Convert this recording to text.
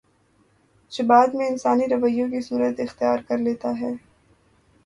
جو بعد میں انسانی رویوں کی صورت اختیار کر لیتا ہے